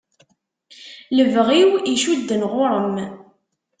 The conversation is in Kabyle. Lebɣi-w icudden ɣur-m.